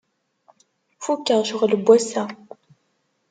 Fukeɣ ccɣel n wass-a.